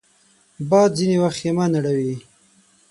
باد ځینې وخت خېمه نړوي